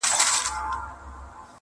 o هلهیاره د سپوږمۍ پر لوري یون دی,